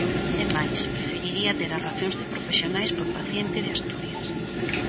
É máis: preferiría ter as razóns de profesionais por paciente de Asturias.